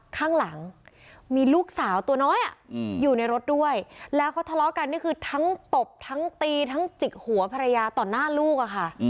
ข้างหลังมีลูกสาวตัวน้อยอยู่ในรถด้วยแล้วเขาทะเลาะกันนี่คือทั้งตบทั้งตีทั้งจิกหัวภรรยาต่อหน้าลูกอะค่ะ